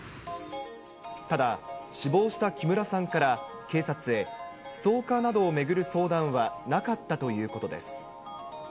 ただ、死亡した木村さんから、警察へ、ストーカーなどを巡る相談はなかったということです。